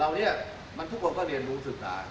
ลาวนี้ทุกคนก็ต้องเรียนรู้ศึกษา